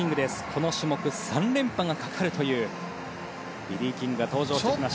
この種目３連覇がかかるというリリー・キングが登場してきました。